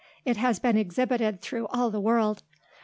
It has been exhibited through all the world."